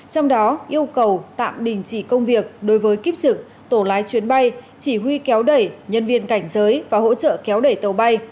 trong đó yêu cầu tạm đình chỉ công việc đối với kiếp trực tổ lái chuyến bay chỉ huy kéo đẩy nhân viên cảnh giới và hỗ trợ kéo đẩy tàu bay